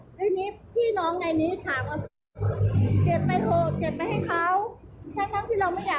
ทีนี้พี่น้องในนี้ถามว่าเก็บไปโทรเก็บไปให้เขา